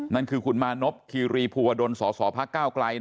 นั่นคือคุณมานพคิรีภูวาดลสอสอภาคก้าวไกลนะฮะ